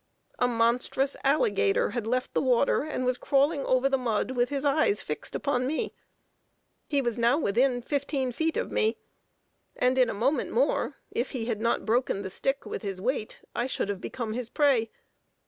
A monstrous alligator had left the water, and was crawling over the mud, with his eyes fixed upon me. He was now within fifteen feet of me, and in a moment more, if he had not broken the stick with his weight, I should have become his prey.